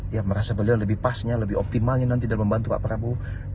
ya merasa beliau lebih pasnya lebih optimalnya nanti dan membantu pak prabowo